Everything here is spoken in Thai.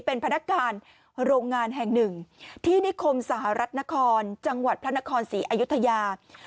เป็นพนักงานโรงงานแห่งหนึ่งที่นิคมสหรัฐนครจังหวัดพระนครศรีอยุธยา